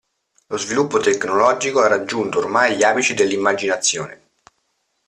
Lo sviluppo tecnologico ha raggiunto ormai gli apici dell'immaginazione.